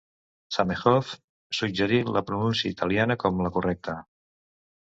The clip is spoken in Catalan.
Zamenhof suggerí la pronúncia italiana com la correcta.